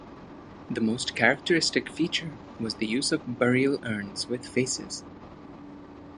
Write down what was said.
The most characteristic feature was the use of burial urns with faces.